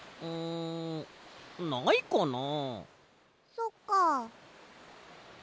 そっか。